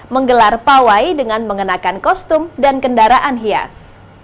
menggelar pawai dengan mengenakan kostum dan kendaraan hias